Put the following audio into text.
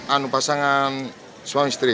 anu pasangan suami istri